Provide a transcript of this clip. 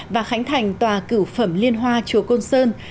và khánh thành tòa cửu phẩm liên hoa chùa côn sơn